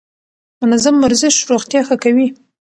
منظم ورزش روغتيا ښه کوي.